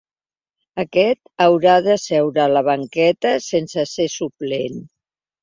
Aquest haurà de seure a la banqueta sense ser suplent.